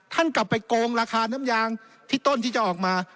ท่านกลับไปโกงราคาน้ำยางที่ต้นที่จะออกมา